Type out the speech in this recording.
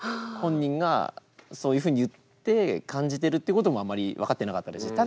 本人がそういうふうに言って感じてるってこともあんまり分かってなかったです。